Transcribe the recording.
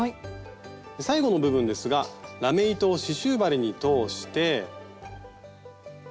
最後の部分ですがラメ糸を刺しゅう針に通して。